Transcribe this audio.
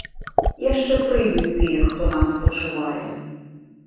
Яшчэ прыйдуць тыя, хто нам спачувае.